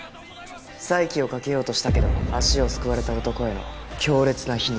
再起をかけようとしたけど足をすくわれた男への強烈な皮肉。